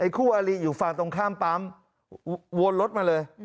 คู่อารีอยู่ฝั่งตรงข้ามปั๊มวนรถมาเลย